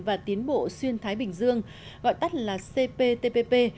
và tiến bộ xuyên thái bình dương gọi tắt là cptpp